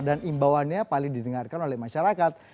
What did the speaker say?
dan imbauannya paling didengarkan oleh masyarakat